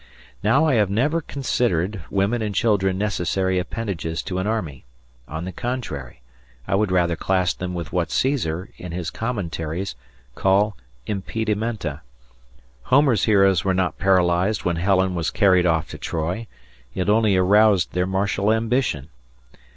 Now I have never considered women and children necessary appendages to an army; on the contrary, I would rather class them with what Cæsar, in his "Commentaries", calls impedimenta. Homer's heroes were not paralyzed when Helen was carried off to Troy; it only aroused their martial ambition.